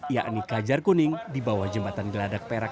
yakni kajar kuning di bawah jembatan geladak perak